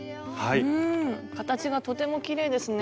うん形がとてもきれいですね。